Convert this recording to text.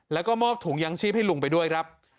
แล้วก็มอบถุงยางชีพให้ลุงไปด้วยครับ